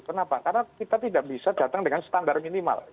kenapa karena kita tidak bisa datang dengan standar minimal